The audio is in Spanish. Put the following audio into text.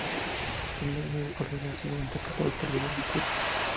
El personaje de Cordelia ha sido interpretado por diversos críticos.